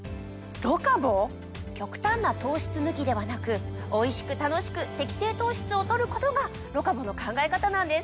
⁉極端な糖質抜きではなくおいしく楽しく適正糖質を取ることがロカボの考え方なんです。